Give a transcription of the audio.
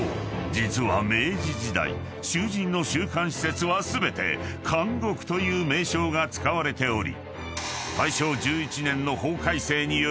実は明治時代囚人の収監施設は全て監獄という名称が使われており］